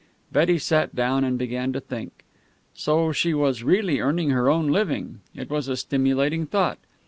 Betty sat down, and began to think. So she was really earning her own living! It was a stimulating thought.